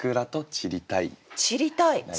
「散りたい」。